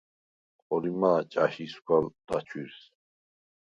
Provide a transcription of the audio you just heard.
ხორიმა̄ ჭა̈შ ისგვა დაჩვირს?